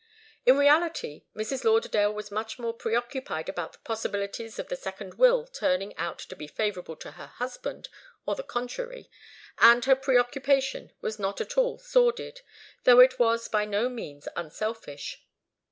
In reality, Mrs. Lauderdale was much more preoccupied about the possibilities of the second will turning out to be favourable to her husband or the contrary, and her preoccupation was not at all sordid, though it was by no means unselfish.